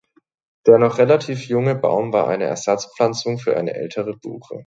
Der noch relativ junge Baum war eine Ersatzpflanzung für eine ältere Buche.